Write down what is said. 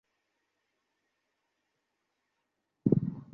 কিন্তু তাঁর চিকিৎসার ব্যয় বহন করা পরিবারের পক্ষে কঠিন হয়ে পড়েছে।